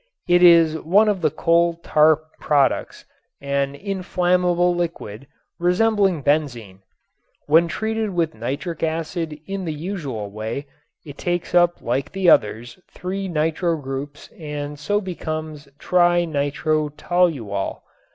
It is one of the coal tar products, an inflammable liquid, resembling benzene. When treated with nitric acid in the usual way it takes up like the others three nitro groups and so becomes tri nitro toluol.